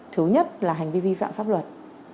thứ nhất là hành vi vi phạm pháp luật